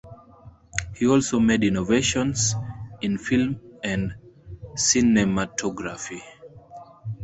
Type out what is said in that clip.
He also made innovations in film and cinematography.